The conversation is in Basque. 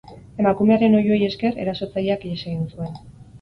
Emakumearen oihuei esker, erasotzaileak ihes egin zuen.